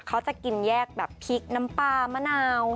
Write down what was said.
เขาจะกินแยกแบบพริกน้ำปลามะนาว